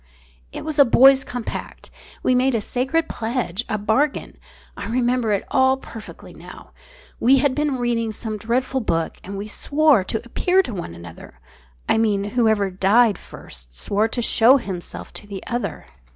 "It was a boys' compact. We made a sacred pledge, a bargain. I remember it all perfectly now. We had been reading some dreadful book and we swore to appear to one another I mean, whoever died first swore to show himself to the other.